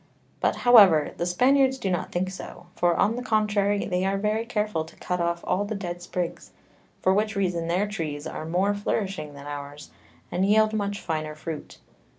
But however, the Spaniards do not think so; for, on the contrary, they are very careful to cut off all the dead Sprigs: for which reason their Trees are more flourishing than ours, and yield much finer Fruit.